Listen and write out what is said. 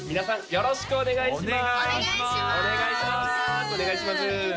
よろしくお願いします